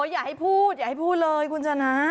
อย่าให้พูดอย่าให้พูดเลยคุณชนะ